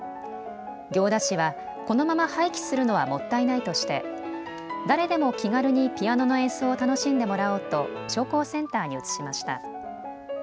行田市はこのまま廃棄するのはもったいないとして誰でも気軽にピアノの演奏を楽しんでもらおうと商工センターに移しました。